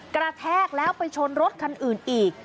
แทกแล้วไปชนรถคันอื่นอีก